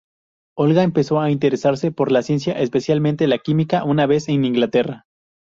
Olga empezó a interesarse por la ciencia, especialmente la química una vez en Inglaterra.